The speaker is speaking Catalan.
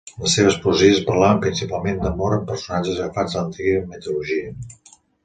Les seves poesies parlaven principalment d'amor amb personatges agafats de l'antiga mitologia.